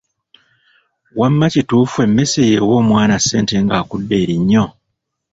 Wamma kituufu emmese y'ewa omwana ssente ng'akudde erinnyo?